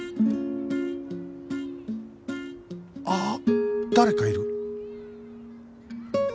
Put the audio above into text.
あっ誰かいる！